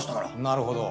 なるほど。